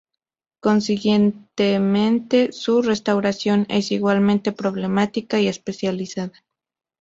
Consiguientemente, su restauración es igualmente problemática y especializada.